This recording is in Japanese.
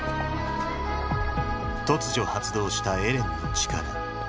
突如発動したエレンの力。